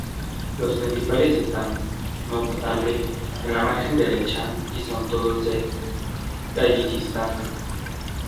Los principales están, no obstante, en la margen derecha y son todos de Tayikistán.